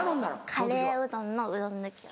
カレーうどんのうどん抜きを。